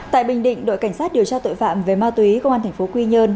tại bình định đội cảnh sát điều tra tội phạm về ma túy công an tp quy nhơn